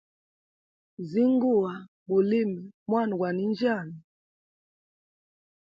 Zinguwa gulime mwna gwa ninjyami.